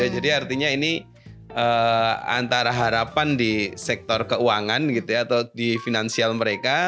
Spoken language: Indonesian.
artinya ini antara harapan di sektor keuangan gitu ya atau di finansial mereka